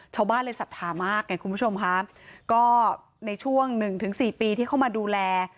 ชาวบ้านเลยศรัทธามากไงคุณผู้ชมค่ะก็ในช่วงหนึ่งถึงสี่ปีที่เข้ามาดูแล